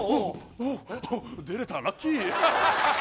出れたラッキー。